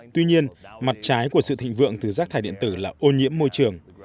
tuy nhiên mặt trái của sự thịnh vượng từ rác thải điện tử là ô nhiễm môi trường